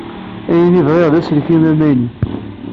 Ayen i bɣiɣ d aselkim amaynut.